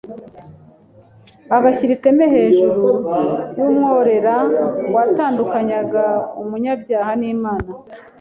agashyira iteme hejuru y’umworera watandukanyaga umunyabyaha n’Imana.